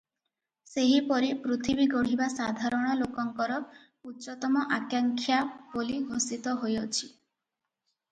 ସେହିପରି ପୃଥିବୀ ଗଢ଼ିବା ସାଧାରଣ ଲୋକଙ୍କର ଉଚ୍ଚତମ ଆକାଙ୍କ୍ଷା ବୋଲି ଘୋଷିତ ହୋଇଅଛି ।